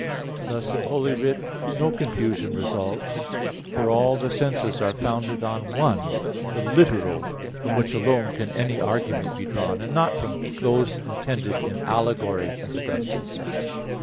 Thus in Holy Writ no confusion results, for all the senses are founded on one the literal from which alone can any argument be drawn, and not from those intended in allegory, as Augustine says (Epis.